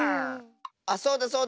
あっそうだそうだ。